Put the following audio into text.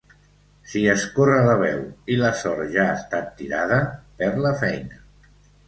Si es corre la veu, i la sort ja ha estat tirada, perd la feina.